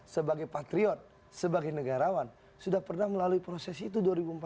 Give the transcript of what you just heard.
sebagai patriot sebagai negarawan sudah pernah melalui proses itu dua ribu empat belas